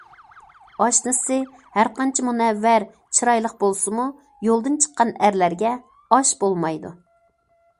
ئاشنىسى ھەر قانچە مۇنەۋۋەر، چىرايلىق بولسىمۇ، يولدىن چىققان ئەرلەرگە ئاش بولمايدۇ.